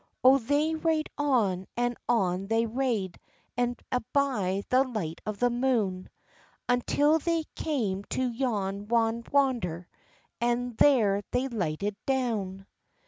O they rade on, and on they rade, And a' by the light of the moon, Until they came to yon wan water, And there they lighted down.